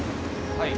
はい。